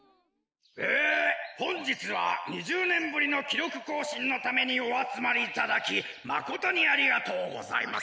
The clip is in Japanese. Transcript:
えほんじつは２０ねんぶりのきろくこうしんのためにおあつまりいただきまことにありがとうございます。